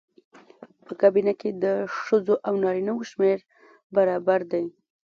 په کابینه کې د ښځو او نارینه وو شمېر برابر دی.